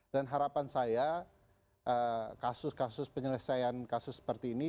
dan harapan saya kasus kasus penyelesaian kasus seperti ini